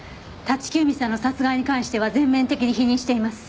立木由美さんの殺害に関しては全面的に否認しています。